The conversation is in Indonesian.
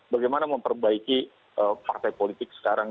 bagaimana memperbaiki partai politik sekarang